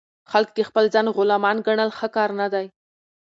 خلک د خپل ځان غلامان ګڼل ښه کار نه دئ.